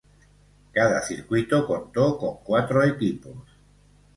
Cada circuito contó con cuatro equipos.